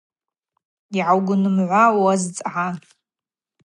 Йгӏаугвнымгӏвуа уазцӏгӏа.